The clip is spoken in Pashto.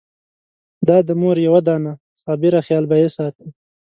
دا د مور یوه دانه صابره خېال به يې ساتي!